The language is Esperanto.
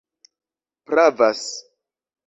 pravas